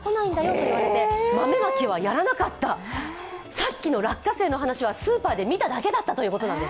さっきの落花生の話はスーパーで見ただけということなんです。